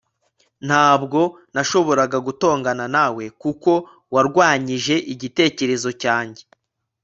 ntabwo nashoboraga gutongana nawe kuko warwanyije igitekerezo cyanjye